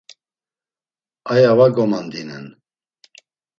İya va gomandinen.